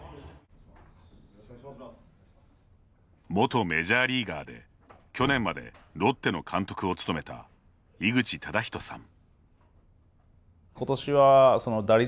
元メジャーリーガーで去年までロッテの監督を務めた井口資仁さん。